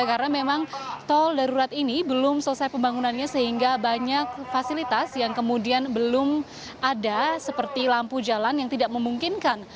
karena memang tol darurat ini belum selesai pembangunannya sehingga banyak fasilitas yang kemudian belum ada seperti lampu jalan yang tidak memungkinkan